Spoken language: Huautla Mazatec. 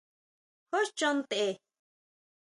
¿Jú chon ntʼe?